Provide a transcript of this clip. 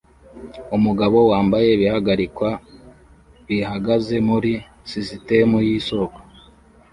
Umugabo wambaye ibihagarikwa bihagaze muri sisitemu yisoko